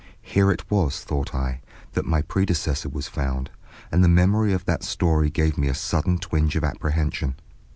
Here it was, thought I, that my predecessor was found, and the memory of that story gave me a sudden twinge of apprehension.